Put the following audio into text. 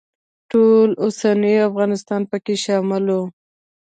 ټول اوسنی افغانستان پکې شامل و.